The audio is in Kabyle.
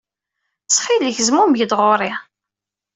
Ttxil-k, zmumeg-d ɣer-i.